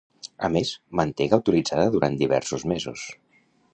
A més, mantega utilitzada durant diversos mesos.